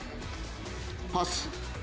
パス。